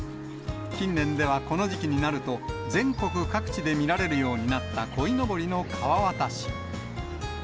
近年ではこの時期になると、全国各地で見られるようになったこいのぼりの川渡し。